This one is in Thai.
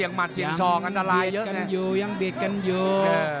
ยังบีดกันยู